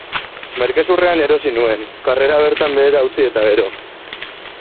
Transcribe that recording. Merke-zurrean erosi nuen, karrera bertan behera utzi eta gero.